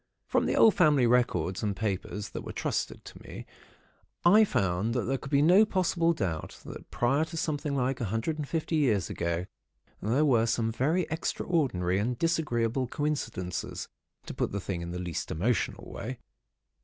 "From the old family records and papers that were trusted to me, I found that there could be no possible doubt that prior to something like a hundred and fifty years ago there were some very extraordinary and disagreeable coincidences, to put the thing in the least emotional way.